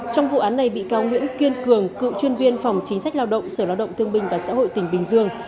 trong vụ án này bị cáo nguyễn kiên cường cựu chuyên viên phòng chính sách lao động sở lao động thương binh và xã hội tỉnh bình dương